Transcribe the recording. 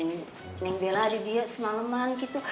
temenin neng bella di dia semaleman gitu